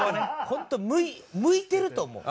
本当向いてると思う。